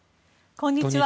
こんにちは。